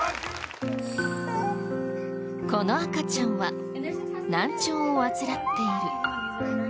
この赤ちゃんは難聴を患っている。